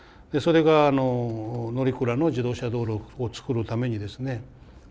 それが乗鞍の自動車道路を造るためにですね